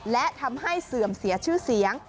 และทำให้เสื่อมเสียชื่อเสียง